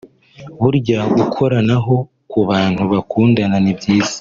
Burya gukoranaho ku bantu bakundana ni byiza